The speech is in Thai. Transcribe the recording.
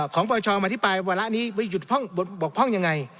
ของปชมาอธิบายเวลานี้ไปหยุดบอกพร่องยังไง